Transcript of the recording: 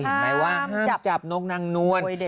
เห็นไหมว่าจับนกนางนวล